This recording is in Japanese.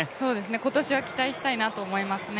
今年は期待したいなと思いますね。